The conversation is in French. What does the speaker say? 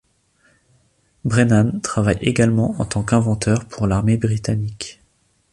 Brennan travaille également en tant qu'inventeur pour l'armée britannique.